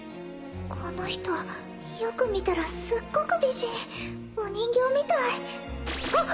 この人よく見たらすっごく美人お人形みたいはっ！